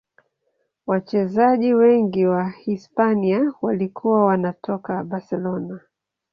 wachezaji wengi wa hisipania walikuwa wanatoka barcelona